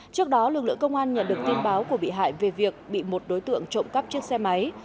trước đó lực lượng công an nhận được tin báo của bị hại về việc bị một đối tượng trộm cắp chiếc xe máy